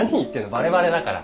バレバレだから。